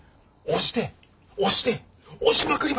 押して押して押しまくる！